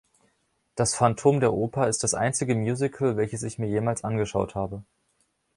Das Phantom der Oper ist das einzige Musical, welches ich mir jemals angeschaut habe.